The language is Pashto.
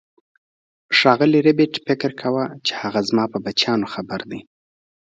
ښاغلي ربیټ فکر وکړ چې هغه زما په بچیانو خبر دی